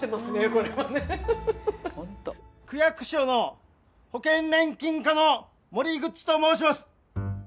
これはね区役所の保険年金課の森口と申します